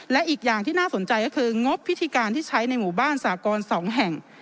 และอีกอย่างที่น่าสนใจก็คืองบพิธีการที่ใช้ในหมู่บ้านสากร๒แห่ง